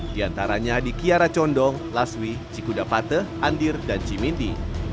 di antaranya di kiara condong laswi cikuda pate andir dan cimindi